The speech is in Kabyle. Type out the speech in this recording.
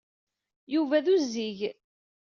Yuba d uzzig.